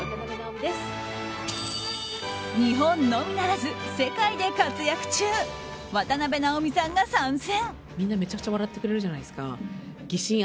日本のみならず世界で活躍中渡辺直美さんが参戦。